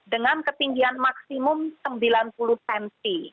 dengan ketinggian maksimum sembilan puluh cm